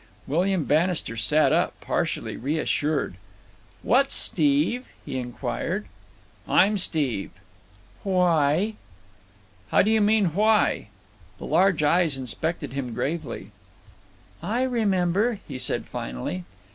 William Bannister sat up, partially reassured. "What's Steve?" he inquired. "I'm Steve." "Why?" "How do you mean—why?" The large eyes inspected him gravely. "I remember," he said finally.